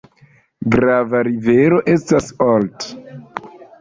Grava rivero estas Olt.